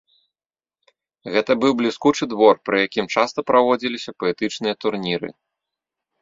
Гэта быў бліскучы двор, пры якім часта праводзіліся паэтычныя турніры.